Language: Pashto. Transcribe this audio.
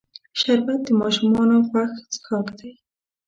شربت د ماشومانو خوښ څښاک دی